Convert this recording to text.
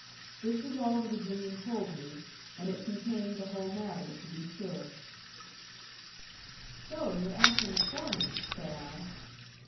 This was all the Virginian told me; and it contained the whole matter, to be sure. "So you're acting foreman," said I.